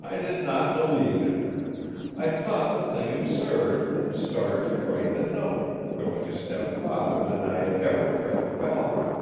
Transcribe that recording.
I did not believe him. I thought the thing absurd, and started to write the note, going a step farther than I had ever threatened Balcom."